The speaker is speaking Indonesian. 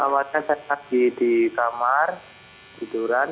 waktu itu awalnya saya lagi di kamar tiduran